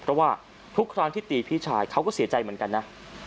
เพราะว่าทุกครั้งที่ตีพี่ชายเขาก็เสียใจเหมือนกันนะ